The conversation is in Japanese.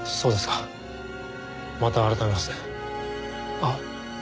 あっ。